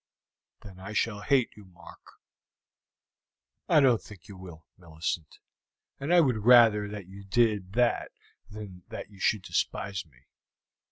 "Then I shall hate you, Mark." "I don't think you will, Millicent, and I would rather that you did that than that you should despise me.